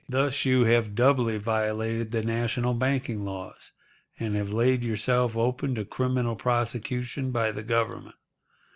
Thus you have doubly violated the national banking laws, and have laid yourself open to criminal prosecution by the Government.